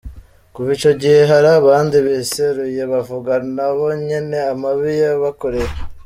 Kuva ico gihe hari abandi biseruye bavuga nabo nyene amabi yabakoreye.